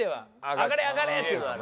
上がれ上がれ！っていうのはある。